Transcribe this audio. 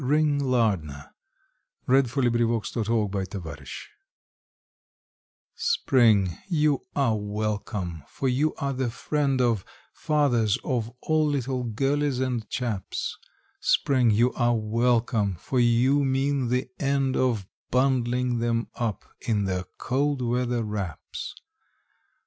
WELCOME TO SPRING Spring, you are welcome, for you are the friend of Fathers of all little girlies and chaps. Spring, you are welcome, for you mean the end of Bundling them up in their cold weather wraps.